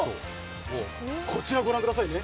こちらご覧くださいね。